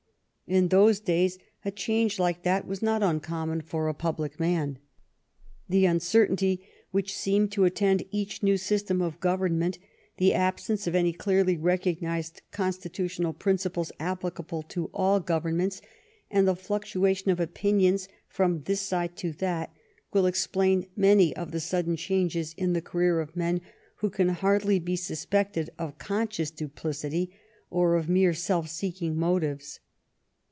In those days a 128 PETERBOROUGH IN SPAIN change like that was not uncommon for a public man. The uncertainty which seemed to attend each new sys tem of government, the absence of any clearly recog nized constitutional principles applicable to all govern ments, and the fluctuation of opinions from this side to that, will explain many of the sudden changes in the career of men who can hardly be suspected of con scious duplicity or of mere self seeking motives.